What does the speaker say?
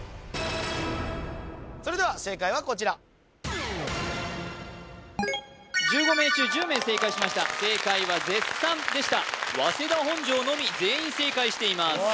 それでは正解はこちら１５名中１０名正解しました正解は絶賛でした早稲田本庄のみ全員正解しています